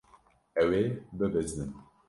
Ew ê bibizdin.